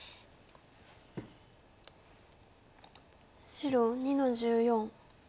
白２の十四。